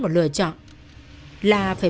một lựa chọn là phải